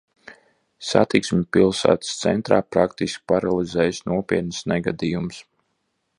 Satiksmi pilsētas centrā praktiski paralizējis nopietns negadījums.